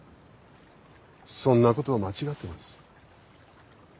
そんなことは間違ってます。